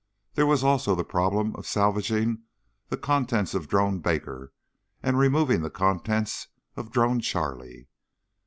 There was also the problem of salvaging the contents of Drone Baker and removing the contents of Drone Charlie.